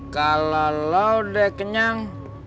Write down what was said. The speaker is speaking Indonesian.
kalau lo sudah kenyang